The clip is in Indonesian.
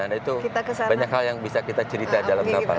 kalau kita ke sana banyak hal yang bisa kita cerita dalam kapal